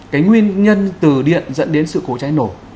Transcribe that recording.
cái nguyên nhân từ điện dẫn đến sự cố cháy nổ